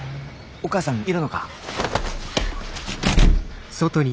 お母さんいるのか？